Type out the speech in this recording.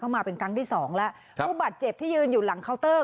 มาเป็นครั้งที่สองแล้วผู้บาดเจ็บที่ยืนอยู่หลังเคาน์เตอร์